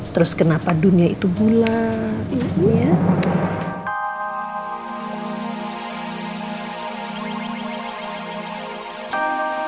terus kenapa dunia itu bulat